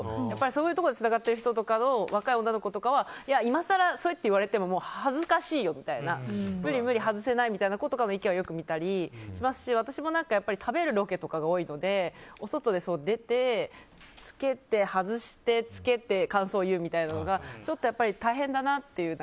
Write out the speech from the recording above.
そういうところでつながってる人たちだと若い女の子とかは今さらそうやって言われてももう恥ずかしいよみたいな無理無理、外せないとかの意見をよく見たりしますし私も食べるロケとかが多いのでお外に出て着けて、外して、着けて感想を言うみたいなのがちょっと大変だなっていう。